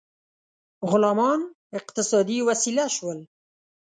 غلامان اقتصادي وسیله شول.